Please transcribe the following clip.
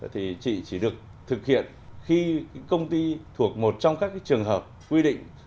thì chị chỉ được thực hiện khi công ty thuộc một trong các trường hợp quy định